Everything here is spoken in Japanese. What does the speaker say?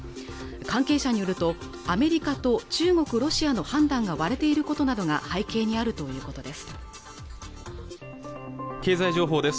関係者によるとアメリカと中国ロシアの判断が割れていることなどが背景にあるということです